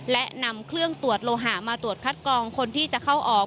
และนำเครื่องตรวจโลหะมาตรวจคัดกรองคนที่จะเข้าออก